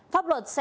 pháp luật sẽ xử lý